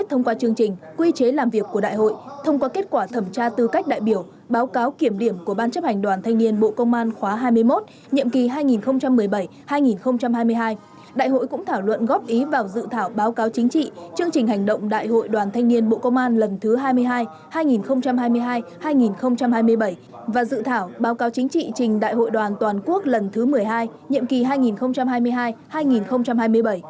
thông qua chương trình quy chế làm việc của đại hội thông qua kết quả thẩm tra tư cách đại biểu báo cáo kiểm điểm của ban chấp hành đoàn thanh niên bộ công an khóa hai mươi một nhiệm kỳ hai nghìn một mươi bảy hai nghìn hai mươi hai đại hội cũng thảo luận góp ý vào dự thảo báo cáo chính trị chương trình hành động đại hội đoàn thanh niên bộ công an lần thứ hai mươi hai hai nghìn hai mươi hai hai nghìn hai mươi bảy và dự thảo báo cáo chính trị trình đại hội đoàn toàn quốc lần thứ một mươi hai nhiệm kỳ hai nghìn hai mươi hai hai nghìn hai mươi bảy